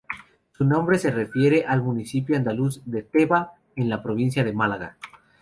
Su nombre se refiere al municipio andaluz de Teba, en la provincia de Málaga.